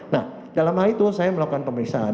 nah dalam hal itu saya melakukan pemeriksaan